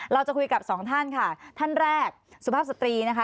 เราจะคุยกับสองท่านค่ะท่านแรกสุภาพสตรีนะคะ